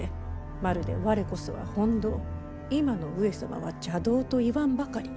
まるで「われこそは本道今の上様は邪道」と言わんばかり。